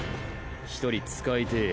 １人使いてぇ